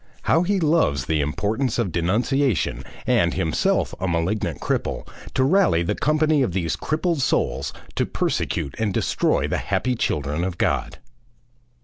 How he loves the importance of denunciation, and, himself a malignant cripple, to rally the company of these crippled souls to persecute and destroy the happy children of God!